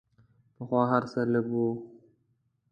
پخوا هر څه لږ وو.